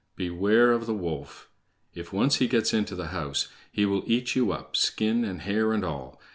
Beware of the wolf! If once he gets into the house, he will eat you up, skin, and hair, and all.